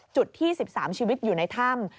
จุดที่๑๓ชีวิตอยู่ในถ้ำ